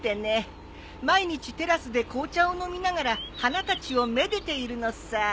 毎日テラスで紅茶を飲みながら花たちをめでているのさ。